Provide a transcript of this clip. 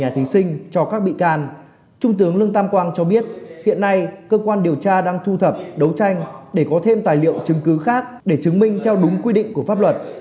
trung tướng lương tam quang cho biết hiện nay cơ quan điều tra đang thu thập đấu tranh để có thêm tài liệu chứng cứ khác để chứng minh theo đúng quy định của pháp luật